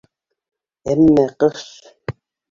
Әммә ҡыш...